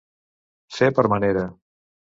Fer per manera.